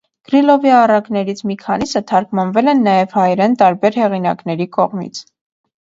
Կռիլովի առակներից մի քանիսը թարգմանվել են նաև հայերեն տարբեր հեղինակների կողմից։